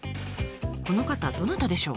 この方どなたでしょう？